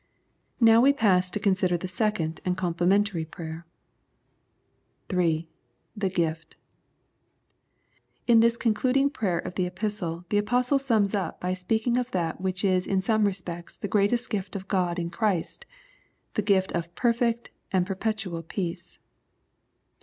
Now we pass to consider the second and complementary prayer. 3. The Gift. In this concluding prayer of the Epistle the Apostle sums up by speaking of that which is in some respects the greatest gift of God in Christ, the gift of perfect and perpetual peace.